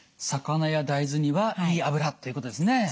魚や大豆にはいい脂っていうことですね。